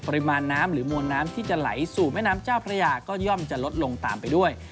ปริมาณน้ำหรือมวลน้ำที่จะไหลสู่แม่น้ำเจ้าพระยาก็ย่อมจะลดลงตามไปด้วย